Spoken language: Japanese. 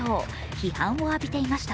批判を浴びていました。